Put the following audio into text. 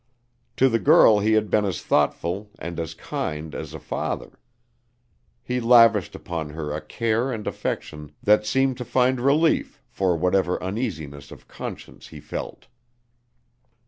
To the girl he had been as thoughtful and as kind as a father. He lavished upon her a care and affection that seemed to find relief for whatever uneasiness of conscience he felt.